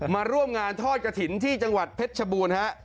มาร่วมงานทอดกระถิ่นที่จังหวัดเพชรชบูรณ์ฮะ